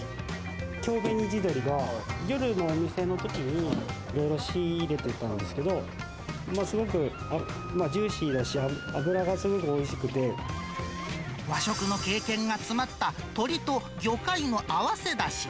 京紅地鶏が、夜の店のときに仕入れてたんですけど、すごくジューシーだし、和食の経験が詰まった、鶏と魚介の合わせだし。